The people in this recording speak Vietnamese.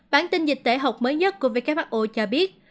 bản tin dịch tễ học mới nhất của who cho biết